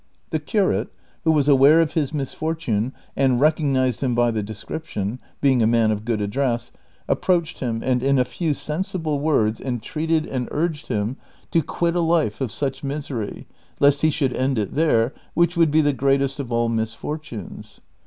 The curate, who was aware of his misfortune and recognized him by the description, being a man of good address, approached him and in a few sensible words eu treated and i;rged him to (piit a life of such misery, lest he should end it there, which would be the greatest of all misfortunes.